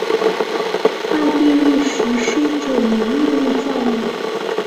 奥地利实施九年义务教育。